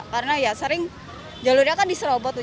karena ya sering jalurnya kan diserobot tuh